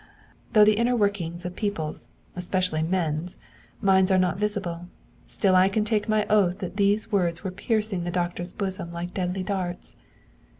Though the inner workings of people's, especially men's, minds are not visible, still I can take my oath that these words were piercing the doctor's bosom like deadly darts.